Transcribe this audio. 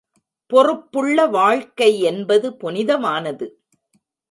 பொறுப்புள்ள வாழ்க்கை என்பது புனித மானது.